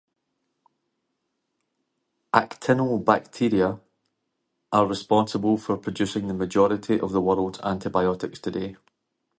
Actinobacteria are responsible for producing the majority of the world's antibiotics today.